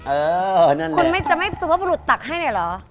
เออนั่นแหละคุณจะไม่ซุภบุรุษตักให้หน่อยเหรอ